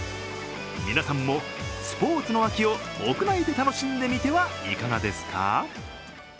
皆さんもスポーツの秋を屋内で楽しんでみてはいかがですか？